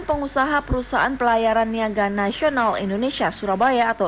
pengusaha perusahaan pelayaran niaga nasional indonesia surabaya atau